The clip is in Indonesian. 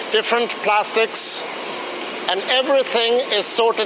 di sini kita memiliki banyak kandungan kandungan